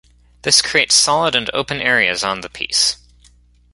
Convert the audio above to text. This creates solid and open areas on the piece.